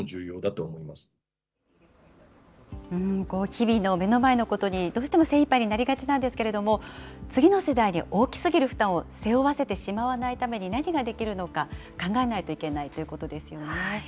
日々の目の前のことにどうしても精いっぱいになりがちなんですけれども、次の世代に大きすぎる負担を背負わせてしまわないために何ができるのか、考えないといけないということですよね。